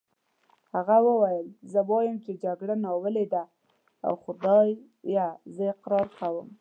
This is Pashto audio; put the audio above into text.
هغه وویل: زه وایم چې جګړه ناولې ده، اوه خدایه زه اقرار کوم.